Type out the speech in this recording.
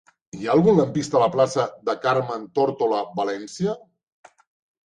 Hi ha algun lampista a la plaça de Carmen Tórtola Valencia?